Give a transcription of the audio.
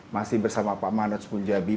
masih bersama pak manat sepuljabi